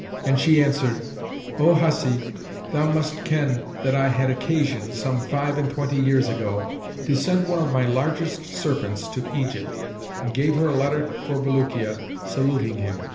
and she answered, "O Hasib, thou must ken that I had occasion, some five and twenty years ago, to send one of my largest serpents to Egypt and gave her a letter for Bulukiya, saluting him.